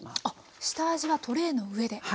あっ下味はトレイの上で。